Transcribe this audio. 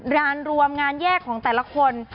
งานรวมงานแยกของแต่ละคน